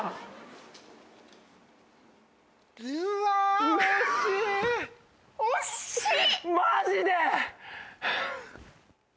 うわ惜しい！